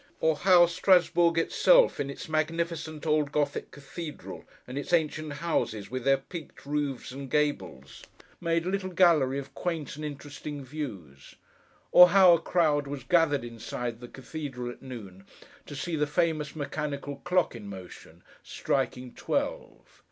Or how Strasbourg itself, in its magnificent old Gothic Cathedral, and its ancient houses with their peaked roofs and gables, made a little gallery of quaint and interesting views; or how a crowd was gathered inside the cathedral at noon, to see the famous mechanical clock in motion, striking twelve.